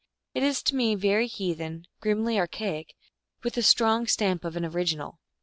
It is to me very heathen, grimly archaic, and with the strong stamp of an original.